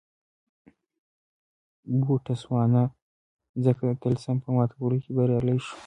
بوتسوانا ځکه د طلسم په ماتولو کې بریالۍ شوه.